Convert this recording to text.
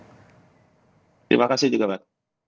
terima kasih juga mbak